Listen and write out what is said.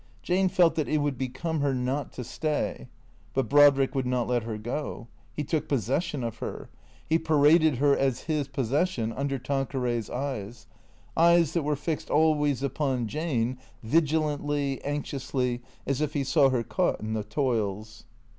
Jane felt that it would become her not to stay. But Brodrick would not let her go. He took possession of her. He paraded her as his possession under Tanqueray's eyes ; eyes that were fixed always upon Jane, vigilantly, anxiously, as if he saw her caught in the toils.